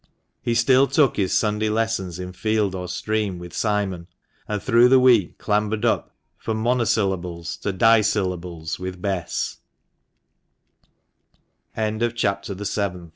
He still took his Sunday lessons in field or stream with Simon, and through the week clambered up from monosyllables to dissyllables with Bess, CHAPTER THE EIGHTH. THE BLUE COAT SC